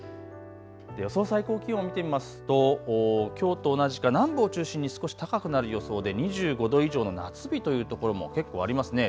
予想最高気温、見てみますときょうと同じか南部を中心に少し高くなる予想で２５度以上の夏日という所も結構ありますね。